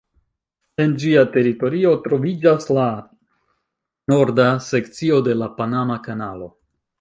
En ĝia teritorio troviĝas la norda sekcio de la Panama kanalo.